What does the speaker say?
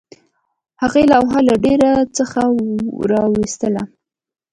هغې لوحه له ډیرۍ څخه راویستله